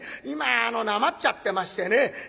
今あのなまっちゃってましてね。